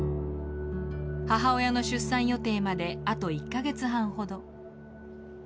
母親の出産予定まであと１か月半ほど。